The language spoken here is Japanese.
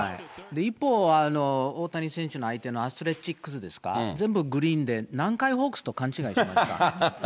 一方、大谷選手の相手のアスレチックスですか、全部グリーンで、南海ホークスと勘違いしてるのかな。